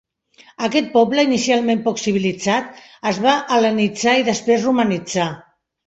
Aquest poble, inicialment poc civilitzat, es va hel·lenitzar i després romanitzar.